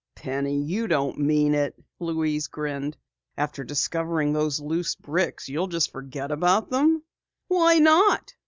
"Penny, you don't mean it!" Louise grinned. "After discovering those loose bricks, you'll just forget about them?" "Why not?"